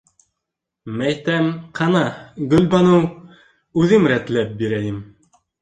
- Мәйтәм, - ҡана, Гөлбаныу, үҙем рәтләп бирәйем.